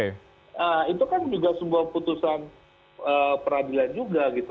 nah itu kan juga sebuah putusan peradilan juga gitu